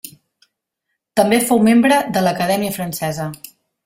També fou membre de l'Acadèmia Francesa.